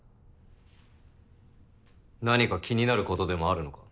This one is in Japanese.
何か気になることでもあるのか？